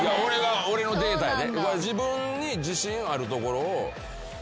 俺のデータやで。